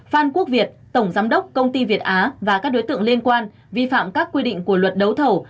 phan quốc việt tổng giám đốc công ty việt á và các đối tượng liên quan vi phạm các quy định của luật đấu thầu